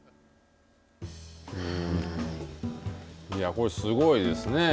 これすごいですね。